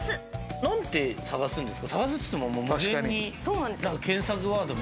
何て探すんですか？